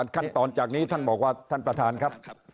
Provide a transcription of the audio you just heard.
ขั้นตอนจากนี้ท่านบอกว่าท่านประธานครับ